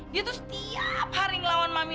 dia tuh setiap hari ngelawan mami